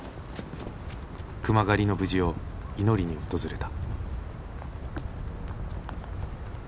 熊狩りの無事を祈りに訪れた。